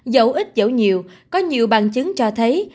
dẫu ít dẫu nhiều có nhiều bằng chứng cho thấy